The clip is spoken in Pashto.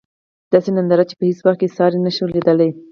داسې ننداره چې په هیڅ وخت کې یې ساری نشو لېدلی.